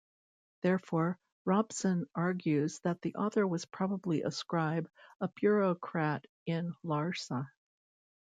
Therefore, Robson argues that the author was probably a scribe, a bureaucrat in Larsa.